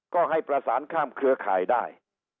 ก็ให้ประสานข้ามเครือข่ายได้